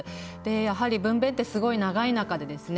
やはり分べんってすごい長い中でですね